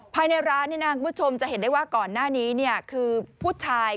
ภายในร้านคุณผู้ชมจะเห็นได้ว่าก่อนหน้านี้คือผู้ชาย